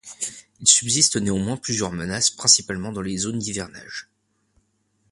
Il subsiste néanmoins plusieurs menaces, principalement dans les zones d’hivernage.